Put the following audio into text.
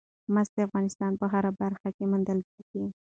مس د افغانستان په هره برخه کې موندل کېږي.